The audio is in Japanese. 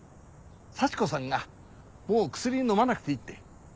幸子さんがもう薬飲まなくていいって。